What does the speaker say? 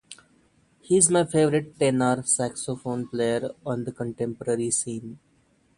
He's my favourite tenor saxophone player on the contemporary scene.